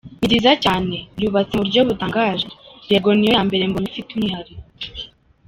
Ni nziza cyane, yubatse mu buryo butangaje, yego niyo ya mbere mbonye ifite umwihariko.